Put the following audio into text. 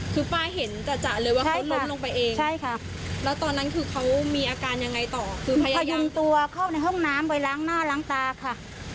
คือป้าเห็นจัดเลยว่าเขาล้มลงไปเองใช่ค่ะแล้วตอนนั้นคือเขามีอาการยังไงต่อคือพยายามตัวเข้าในห้องน้ำไปล้างหน้าล้างตาค่ะ